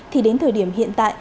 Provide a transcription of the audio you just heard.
thì đến thời điểm hiện tại